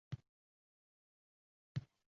Aslida, vodiyning vodiy va tumanlarida hamon tumanli